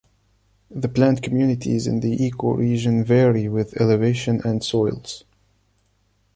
The plant communities in the ecoregion vary with elevation and soils.